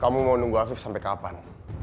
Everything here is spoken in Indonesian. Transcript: kamu mau nunggu afif sampai kapan